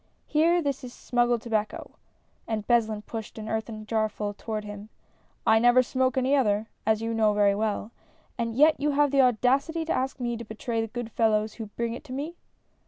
Here, this is sinnggiecl tobacco, (and Beslin pushed an earthen jarfull toward him) I never smoke any other, as you know very well, and yet you have the audacity to ask me to betray the good fellows who bring it to me